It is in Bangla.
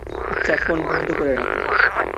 আচ্ছা, ফোন বন্ধ করে রাখো।